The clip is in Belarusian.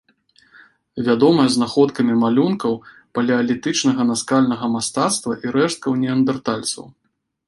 Вядомая знаходкамі малюнкаў палеалітычнага наскальнага мастацтва і рэшткаў неандэртальцаў.